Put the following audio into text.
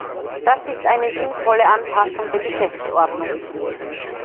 Das ist eine sinnvolle Anpassung der Geschäftsordnung.